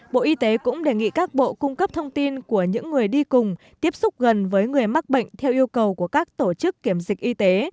bộ y tế cũng đề nghị các bộ cung cấp thông tin của những người đi cùng tiếp xúc gần với người mắc bệnh theo yêu cầu của các tổ chức kiểm dịch y tế